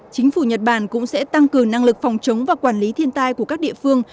chính phủ nhật bản cũng sẽ tăng cường năng lực phòng chống và quản lý thiên tai của các địa phương